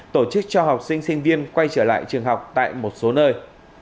tổ chức cho học sinh sinh viên quay trở lại trường học tại một số nơi